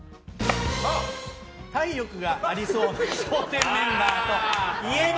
体力がありそうな「笑点」メンバーといえば？